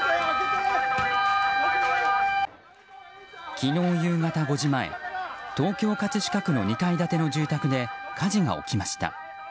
昨日夕方５時前東京・葛飾区の２階建ての住宅で火事が起きました。